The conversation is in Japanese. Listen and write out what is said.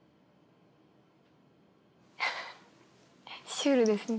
シュールですね。